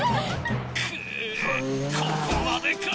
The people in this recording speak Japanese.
ここまでか！